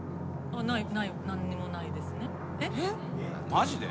マジで？